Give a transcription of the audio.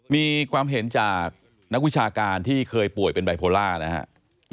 มีความเห็นจากนักวิชาการที่เคยป่วยเป็นไบโพล่านะครับ